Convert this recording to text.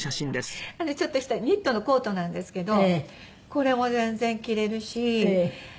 ちょっとしたニットのコートなんですけどこれも全然着れるしなんか。